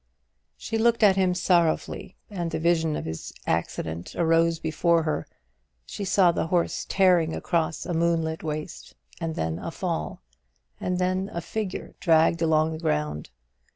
She looked at him sorrowfully, and the vision of his accident arose before her; she saw the horse tearing across a moonlit waste, and then a fall, and then a figure dragged along the ground.